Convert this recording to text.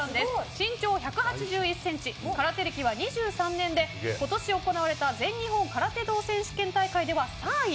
身長１８１ｃｍ空手歴は２３年で今年行われた全日本空手道選手権では３位。